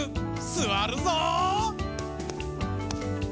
すわるぞう！